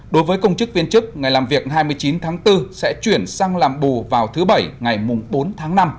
đối với công chức viên chức ngày làm việc hai mươi chín tháng bốn sẽ chuyển sang làm bù vào thứ bảy ngày bốn tháng năm